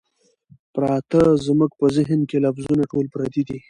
پراتۀ زمونږ پۀ ذهن کښې لفظونه ټول پردي دي